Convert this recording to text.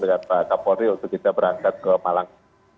dengan pak kapolri untuk kita berangkat ke malang